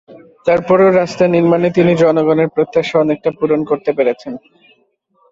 তার পরও রাস্তা নির্মাণে তিনি জনগণের প্রত্যাশা অনেকটা পূরণ করতে পেরেছেন।